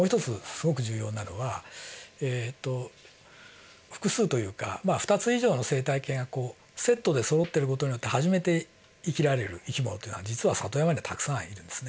すごく重要なのは複数というか２つ以上の生態系がセットでそろってる事によって初めて生きられる生き物というのは実は里山にはたくさんいるんですね。